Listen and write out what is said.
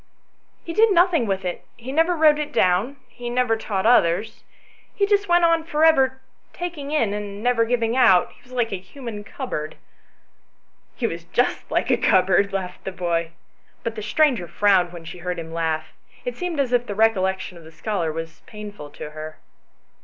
" He did nothing with it, he never wrote it down, he never taught others ; he just went on for ever taking in and never giving out ; he was like a human cupboard "" He was just like a cupboard," laughed the boy. But the stranger frowned when she heard his laugh ; it seemed as if the recollection of the scholar was painful to her.